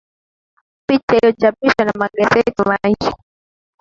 picha hiyo ilichapishwa na gazeti maisha